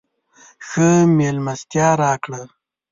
ښه مېلمستیا راکړه.